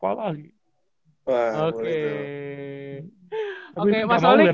tapi gak mau gitu